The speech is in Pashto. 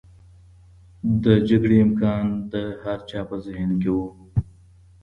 د جګړې امکان د هر چا په ذهن کې و.